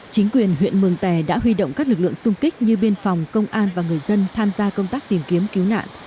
chính quyền huyện mường tè đã huy động các lực lượng xung kích như biên phòng công an và người dân tham gia công tác tìm kiếm cứu nạn